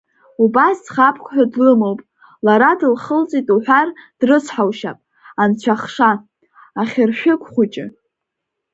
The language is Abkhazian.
Убас ӡӷабк ҳәа длымоуп, лара дылхылҵит уҳәар, дрыцҳаушьап, анцәахша, ахьыршәыгә хәыҷы.